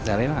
ya udah rena